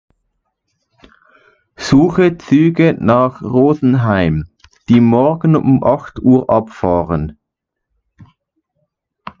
Suche Züge nach Rosenheim, die morgen um acht Uhr abfahren.